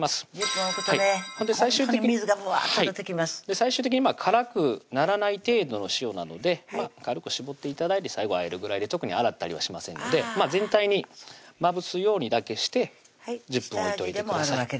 最終的に辛くならない程度の塩なので軽く絞って頂いて最後あえるぐらいで特に洗ったりはしませんので全体にまぶすようにだけして１０分置いといてください